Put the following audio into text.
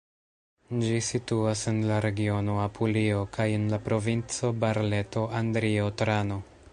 Ĝi situas en la regiono Apulio kaj en la provinco Barleto-Andrio-Trano.